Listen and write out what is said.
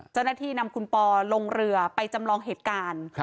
เจ้าหน้าที่นำคุณปอลงเรือไปจำลองเหตุการณ์